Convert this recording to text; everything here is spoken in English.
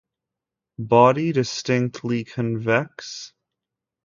Body distinctly convex.